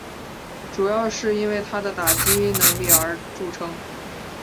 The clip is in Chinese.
主要是因为他的打击能力而着称。